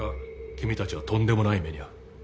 君たちはとんでもない目に遭う。